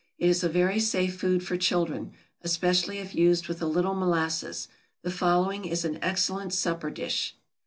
It is a very safe food for children, especially if used with a little molasses. The following is an excellent supper dish.